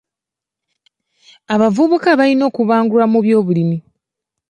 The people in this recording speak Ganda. Abavubuka balina okubangulwa mu by'obulimi.